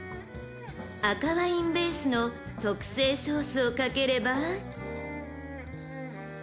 ［赤ワインベースの特製ソースをかければ］